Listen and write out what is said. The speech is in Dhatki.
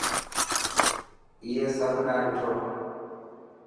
اي سڀ نا ڏٺو.